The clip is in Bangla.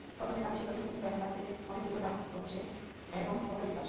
প্রথমে দাম বেশি থাকলেও ফিল্ম ক্যামেরা থেকে অনেক দ্রুত দাম কমছে, এবং ক্ষমতা বৃদ্ধি পাচ্ছে।